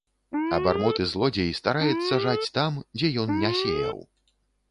Абармот і злодзей стараецца жаць там, дзе ён не сеяў.